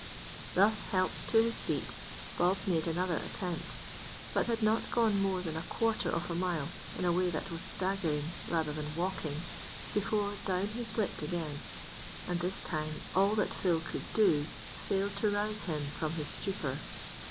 Thus helped to his feet, Bob made another attempt, but had not gone more than a quarter of a mile in a way that was staggering rather than walking before down he slipped again; and this time all that Phil could do failed to rouse him from his stupor.